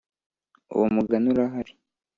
uwo mugani urahari.